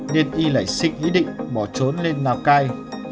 nên y lại sinh ý định bỏ trốn lên lào cai